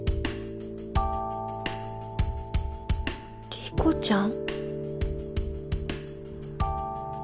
理子ちゃん！？